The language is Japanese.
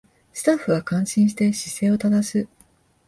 スタッフは感心して姿勢を正す